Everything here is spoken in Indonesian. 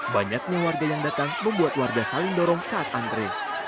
banyaknya warga yang datang membuat warga saling dorong saat antre